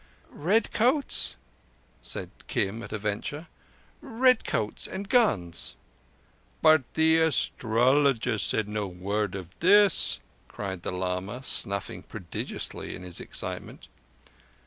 "Redcoats," said Kim at a venture. "Redcoats and guns." "But—but the astrologer said no word of this," cried the lama, snuffing prodigiously in his excitement.